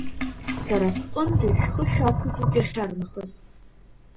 Сара сҟынтәи шәхы шәақәиҭуп иахьарнахыс.